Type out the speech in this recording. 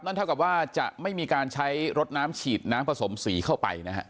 เท่ากับว่าจะไม่มีการใช้รถน้ำฉีดน้ำผสมสีเข้าไปนะฮะ